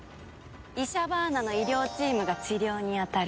イシャバーナの医療チームが治療に当たる。